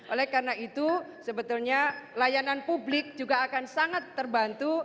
oleh karena itu sebetulnya layanan publik juga akan sangat terbantu